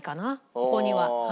ここには。